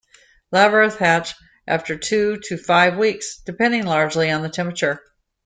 Larvae hatch after two to five weeks, depending largely on temperature.